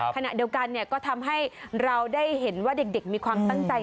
ขณะเดียวกันก็ทำให้เราได้เห็นว่าเด็กมีความตั้งใจ